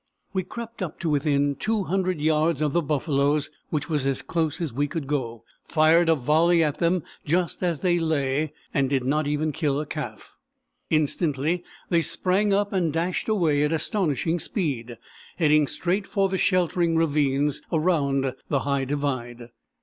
We crept up to within 200 yards of the buffaloes, which was as close as we could go, fired a volley at them just as they lay, and did not even kill a calf! Instantly they sprang up and dashed away at astonishing speed, heading straight for the sheltering ravines around the High Divide.